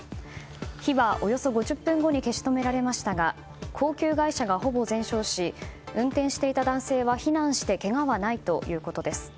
火は、およそ５０分後に消し止められましたが高級外車がほぼ全焼し運転していた男性は避難してけがはないということです。